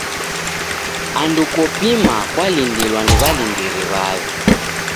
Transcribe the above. Andu kopima kwalindilwa ni w'alindiri w'aw'i.